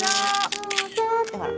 ・どうぞってほら。